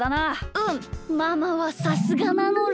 うんママはさすがなのだ！